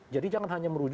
jadi jangan hanya merujukkan